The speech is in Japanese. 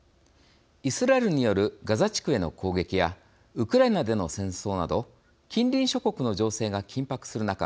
イスラエルによるガザ地区への攻撃やウクライナでの戦争など近隣諸国の情勢が緊迫する中